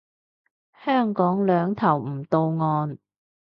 香港兩頭唔到岸